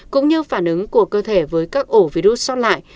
cũng như phản ứng của cơ thể với các ổ virus sót lại